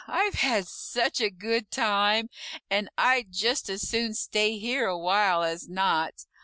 I've had such a good time, and I'd just as soon stay here a while as not.